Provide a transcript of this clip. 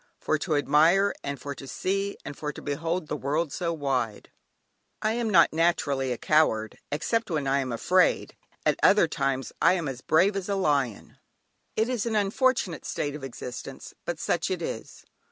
"For to admire, and for to see, and for to behold the world so wide." (Rudyard Kipling.) "I am not naturally a coward, except when I am afraid; at other times I am as brave as a lion." It is an unfortunate state of existence, but such it is.